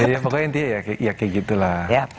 ya pokoknya intinya ya kayak gitu lah